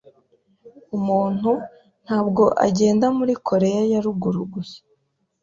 Umuntu ntabwo agenda muri Koreya ya Ruguru gusa.